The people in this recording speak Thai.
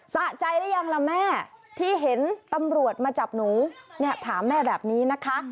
สะใจหรือยังล่ะแม่ที่เห็นตำรวจมาจับหนูเนี่ยถามแม่แบบนี้นะคะ